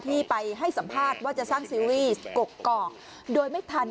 ที่ไปให้สัมภาษณ์ว่าจะสร้างซีรีส์กกอกโดยไม่ทัน